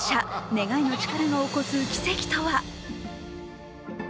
願いの力が起こす奇跡とは？